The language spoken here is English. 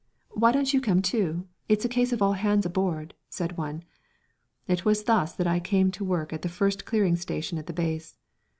"Why don't you come too? It's a case of all hands aboard!" said one. It was thus I came to work at the first clearing station at the base.